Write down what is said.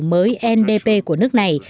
mới ndp của nước này